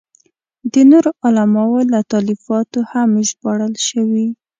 د نورو علماوو له تالیفاتو هم ژباړل شوي.